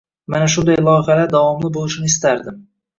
Mana shunday loyihalar davomli boʻlishini istardim.